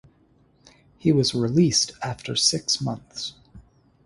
He was released after six months.